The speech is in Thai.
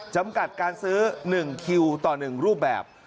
จำกัดการซื้อ๑คิวต่อ๑รูปแบบ